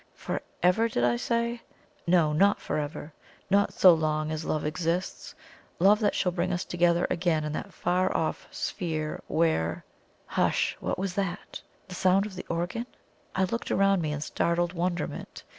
For ever, did I say? No, not for ever not so long as love exists love that shall bring us together again in that far off Sphere where Hush! what was that? The sound of the organ? I looked around me in startled wonderment.